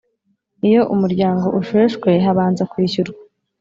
Iyo umuryango usheshwe habanza kwishyurwa